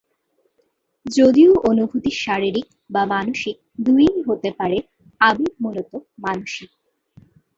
যদিও অনুভূতি শারিরীক/মানসিক দুইই হতে পারে, আবেগ মূলতঃ মানসিক।